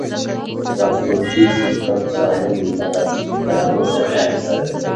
د ترانسپورتي سیستم سمون د ترافیکي ستونزو حل دی.